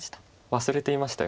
忘れていました。